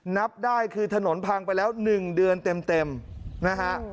นับได้คือถนนพังไปแล้ว๑เดือนเต็มนะฮะ